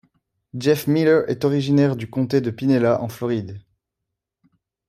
Jeff Miller est originaire du comté de Pinellas en Floride.